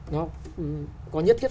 nó có nhất thiết